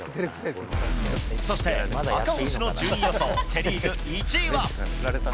そして、赤星の順位予想、セ・リーグ１位は。